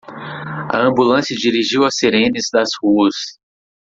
A ambulância dirigiu as sirenes das ruas.